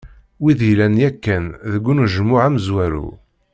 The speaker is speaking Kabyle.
Wid yellan yakkan deg unejmuɛ amezwaru.